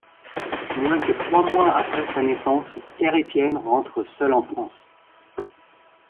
Moins que trois mois après sa naissance, Pierre-Étienne rentre seul en France.